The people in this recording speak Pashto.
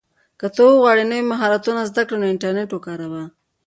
که ته غواړې نوی مهارت زده کړې نو انټرنیټ وکاروه.